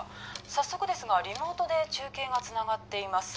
早速ですがリモートで中継がつながっています